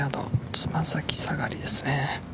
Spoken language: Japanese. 爪先下がりですね。